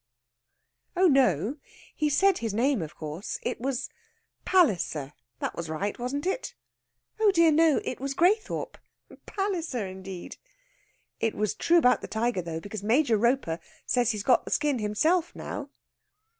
"Oh, no. He said his name, of course. It was Palliser ... that was right, wasn't it?" "Oh dear, no; it was Graythorpe. Palliser indeed!" "It was true about the tiger though, because Major Roper says he's got the skin himself now."